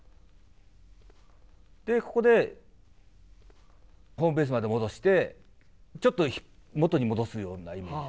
ここで、ホームベースまで戻して、ちょっと元に戻すようなイメージです。